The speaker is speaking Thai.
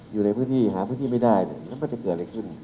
อยู่ในพื้นที่หาพื้นที่ไม่ได้แล้วก็จะเกิดอะไรขึ้น